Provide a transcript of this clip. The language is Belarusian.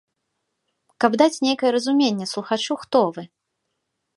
Каб даць нейкае разуменне слухачу, хто вы.